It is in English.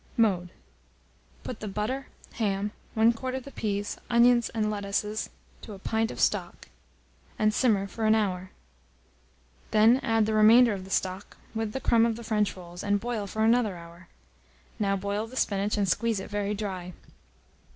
Mode. Put the butter, ham, 1 quart of the peas, onions, and lettuces, to a pint of stock, and simmer for an hour; then add the remainder of the stock, with the crumb of the French rolls, and boil for another hour. Now boil the spinach, and squeeze it very dry.